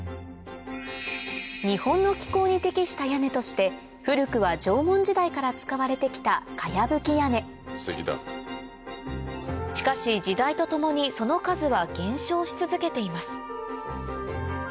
日本の気候に適した屋根として古くは縄文時代から使われてきたしかし時代とともにその数は減少し続けています